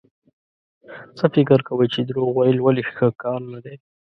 څه فکر کوئ چې دروغ ويل ولې ښه کار نه دی؟